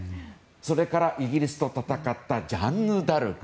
それから、イギリスと戦ったジャンヌ・ダルク。